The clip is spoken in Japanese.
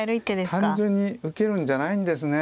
単純に受けるんじゃないんですね。